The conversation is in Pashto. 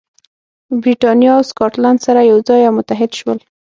برېټانیا او سکاټلند سره یو ځای او متحد شول.